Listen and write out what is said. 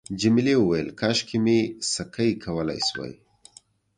جميلې وويل:، کاشکې مې سکی کولای شوای.